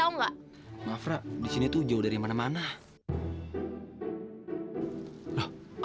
oh my god nanti nge end maku kebun bunan muntas sih